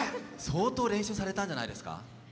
相当、練習されたんじゃないですか。